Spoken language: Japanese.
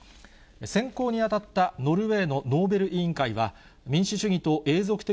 選考に当たったノルウェーのノーベル委員会は、民主主義と永続的